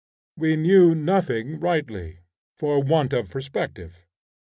We knew nothing rightly, for want of perspective.